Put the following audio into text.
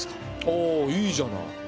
おおいいじゃない。